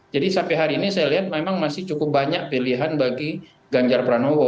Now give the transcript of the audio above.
jadi sampai hari ini saya lihat memang masih cukup banyak pilihan bagi ganjar pranowo